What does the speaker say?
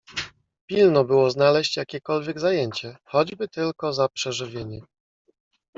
"Pilno było znaleźć jakiekolwiek zajęcie, choćby tylko za przeżywienie."